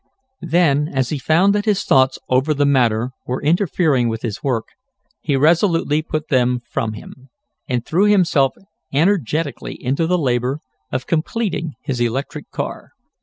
Then, as he found that his thoughts over the matter were interfering with his work, he resolutely put them from him, and threw himself energetically into the labor of completing his electric car.